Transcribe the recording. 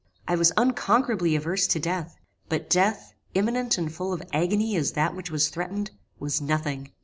I was unconquerably averse to death; but death, imminent and full of agony as that which was threatened, was nothing.